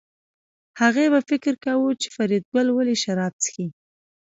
هغې به فکر کاوه چې فریدګل ولې شراب څښي